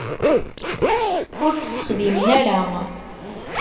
Ur t-texdimen ara.